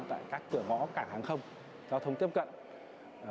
tại các cửa ngõ cảng hàng không giao thông tiếp cận